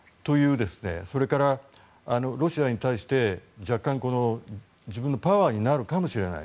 それから、ロシアに対して若干、自分のパワーになるかもしれない。